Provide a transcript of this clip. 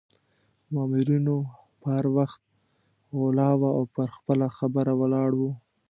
مامورینو به هر وخت غولاوه او پر خپله خبره ولاړ وو.